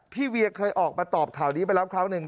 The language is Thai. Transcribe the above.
พี่เวียเคยออกมาตอบข่าวนี้ไปแล้วคราวนึง